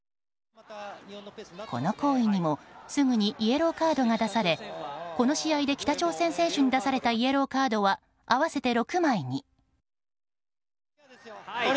この行為にもすぐにイエローカードが出されこの試合で北朝鮮選手に出されたイエローカードは合わせて６枚に。